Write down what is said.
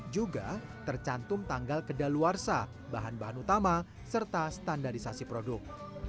juga tercantum tanggal kedaluarsa bahan bahan utama serta standarisasi produk